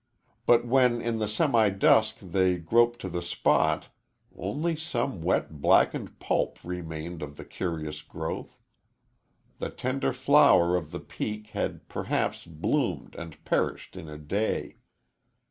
But when in the semi dusk they groped to the spot only some wet, blackened pulp remained of the curious growth. The tender flower of the peak had perhaps bloomed and perished in a day.